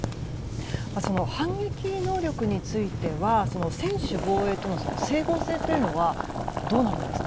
その反撃能力については専守防衛との整合性というのはどうなるんですか？